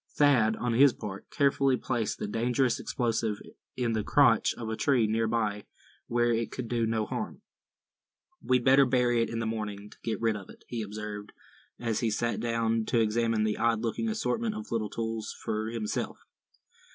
Thad, on his part, carefully placed the dangerous explosive in the crotch of a tree near by, where it could do no harm. "We'd better bury it in the morning, to get rid of it," he observed, as he sat down to examine the odd looking assortment of little tools, for himself.